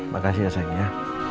makasih ya sayang ya